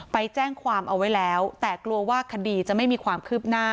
ไปแจ้งความเอาไว้แล้วแต่กลัวว่าคดีจะไม่มีความคืบหน้า